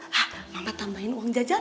hah mama tambahin uang jajan